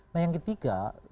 nah yang ketiga